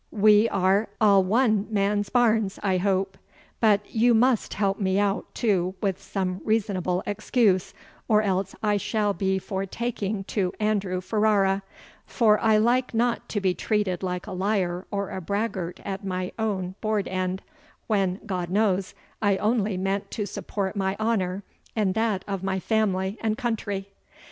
we are a' one man's bairns, I hope? But you must help me out too with some reasonable excuse, or else I shall be for taking to Andrew Ferrara; for I like not to be treated like a liar or a braggart at my own board end, when, God knows, I only meant to support my honour, and that of my family and country."